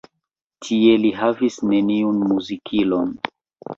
Tie li havis neniun muzikilon.